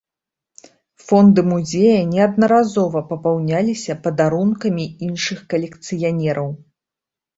Фонды музея неаднаразова папаўняліся падарункамі іншых калекцыянераў.